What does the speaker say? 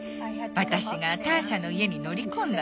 私がターシャの家に乗り込んだの。